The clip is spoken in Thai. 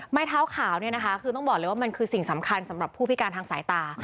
ไม้เท้าขาวเนี่ยนะคะคือต้องบอกเลยว่ามันคือสิ่งสำคัญสำหรับผู้พิการทางสายตา